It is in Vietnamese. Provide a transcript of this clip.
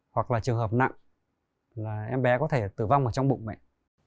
hoặc là trường hợp nặng là em bé có thể tử vong ở trong bụng mẹ